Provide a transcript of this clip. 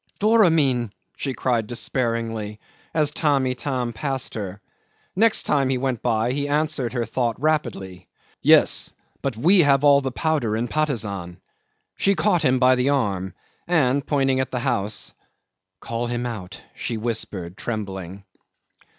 "Doramin," she cried despairingly, as Tamb' Itam passed her. Next time he went by he answered her thought rapidly, "Yes. But we have all the powder in Patusan." She caught him by the arm, and, pointing at the house, "Call him out," she whispered, trembling.